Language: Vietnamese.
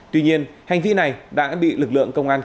tuy nhiên hành vi này đã bị lực lượng công an